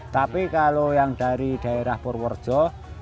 tapi kalau yang dari daerah purworejo